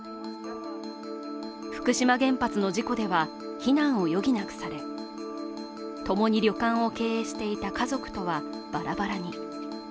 福島原発の事故では避難を余儀なくされ、ともに旅館を経営していた家族とはバラバラに。